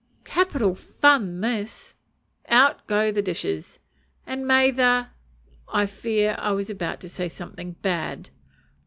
Capital fun this. Out go the dishes; "and may the ." I fear I was about to say something bad.